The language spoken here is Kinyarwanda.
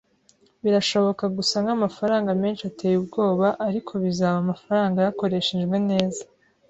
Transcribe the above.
Birashobora gusa nkamafaranga menshi ateye ubwoba, ariko bizaba amafaranga yakoreshejwe neza